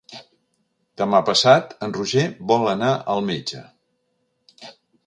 Demà passat en Roger vol anar al metge.